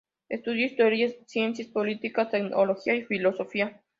Estudió Historia, Ciencias Políticas, Teología y Filosofía.